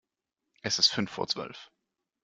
Es ist fünf vor Zwölf.